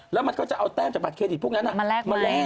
แล้วมันก็จะเอาแต้มจากบัตเครดิตพวกนั้นมาแลก